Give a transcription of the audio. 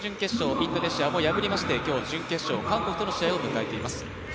インドネシアも破りまして今日、準決勝韓国との試合を迎えています。